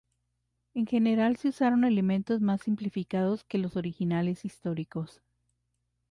En general se usaron elementos más simplificados que los originales históricos.